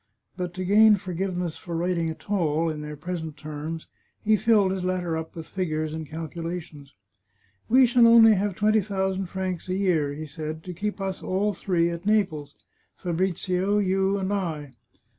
But to gain for giveness for writing at all, in their present terms, he filled his letter up with figures and calculations. " We shall only have twenty thousand francs a year," he said, " to keep us all three at Naples — Fabrizio, you, and I.